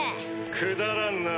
くだらんな